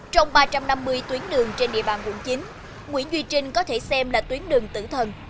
trong ba trăm năm mươi tuyến đường trên địa bàn quận chín nguyễn duy trinh có thể xem là tuyến đường tử thần